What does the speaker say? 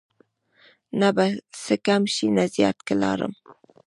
نه به څه کم شي نه زیات که لاړم